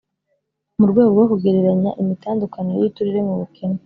mu rwego rwo kugereranya imitandukanire y'uturere mu bukene,